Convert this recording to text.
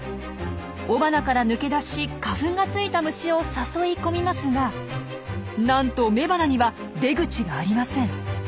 雄花から抜け出し花粉がついた虫を誘い込みますがなんと雌花には出口がありません。